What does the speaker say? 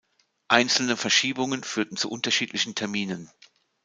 Einzelne Verschiebungen führten zu unterschiedlichen Terminen.